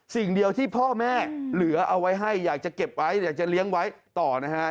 สิ่งเดียวที่พ่อแม่เหลือเอาไว้ให้อยากจะเก็บไว้อยากจะเลี้ยงไว้ต่อนะฮะ